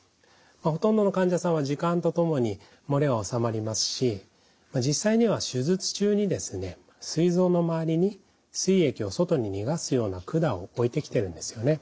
ほとんどの患者さんは時間とともに漏れは収まりますし実際には手術中にすい臓の周りにすい液を外に逃がすような管を置いてきてるんですよね。